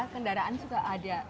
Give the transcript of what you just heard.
kendaraan sudah ada